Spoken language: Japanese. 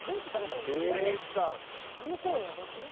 これねパン粉がやばくない？